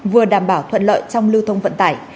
vừa đảm bảo thuận lợi trong lưu thông vận tải